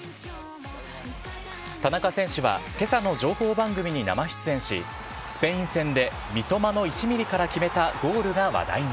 田中選手はけさの情報番組に生出演し、スペイン戦で三笘の１ミリから決めたゴールが話題に。